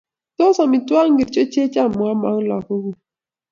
Tos amitwiki ngircho che cham iyome ak lakok kuk?